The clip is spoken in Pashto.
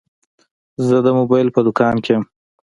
زه د موبایل په دوکان کي یم.